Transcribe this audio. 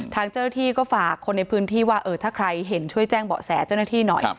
ทางเจ้าหน้าที่ก็ฝากคนในพื้นที่ว่าถ้าใครเห็นช่วยแจ้งเบาะแสเจ้าหน้าที่หน่อย